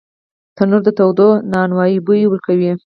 تنور د تودو نانو بوی ورکوي